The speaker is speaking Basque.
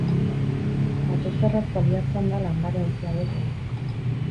Motozerraz baliatzen da landare-ontzi hauek egiteko.